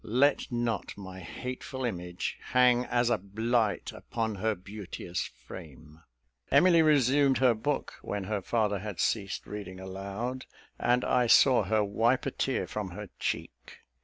Let not my hateful image hang as a blight upon her beauteous frame." Emily resumed her book, when her father had ceased reading aloud; and I saw her wipe a tear from her cheek.